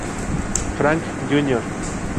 Frank Jr.